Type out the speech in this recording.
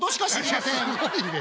すごいね。